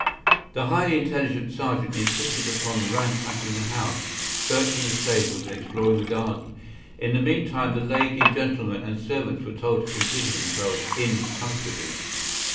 The highly intelligent sergeant insisted upon ransacking the house, searching the stables, and exploring the garden. In the mean time the lady, gentleman, and servants were told to consider themselves in custody.